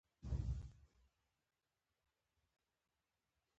آیا د ژمي په شپو کې د تندور په شاوخوا کیناستل خوند نه کوي؟